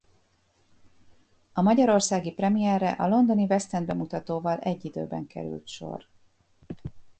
A magyarországi premierrel a londoni Westend-bemutatóval egy időben került sor.